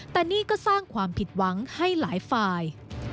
แต่นี่ก็สร้างความผิดหวังให้หลายฝ่าย